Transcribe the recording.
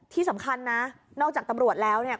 ที่สำคัญนะนอกจากตำรวจแล้วเนี่ย